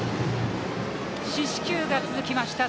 四死球が続きました。